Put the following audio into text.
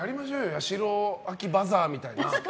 八代亜紀バザーみたいな。